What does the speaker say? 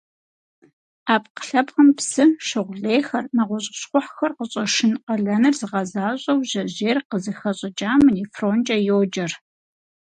Ӏэпкълъэпкъым псы, шыгъу лейхэр, нэгъуэщӀ щхъухьхэр къыщӀэшын къалэныр зыгъэзащӀэу жьэжьейр къызыхэщӀыкӀам нефронкӀэ йоджэр.